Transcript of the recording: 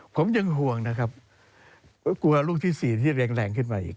ผมยังห่วงนะครับก็กลัวลูกที่๔ที่แรงขึ้นมาอีก